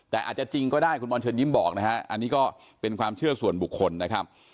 แต่อาจจะจริงก็ได้คุณบอลเชิญยิ้มบอกนะฮะอันนี้ก็เป็นความเชื่อส่วนบุคคลนะครับ